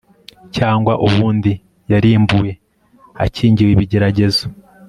Cyangwa ubundi yarimbuwe akingiwe ibigeragezo